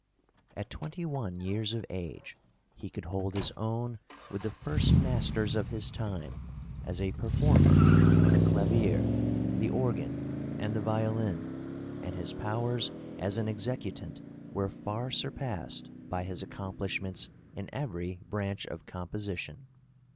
At twenty one years of age he could hold his own with the first masters of his time as a performer on the clavier, the organ, and the violin, and his powers as an executant were far surpassed by his accomplishments in every branch of composition.